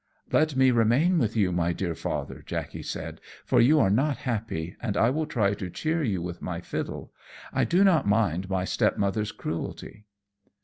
"Let me remain with you, my dear Father," Jackey said, "for you are not happy, and I will try to cheer you with my fiddle. I do not mind my stepmother's cruelty."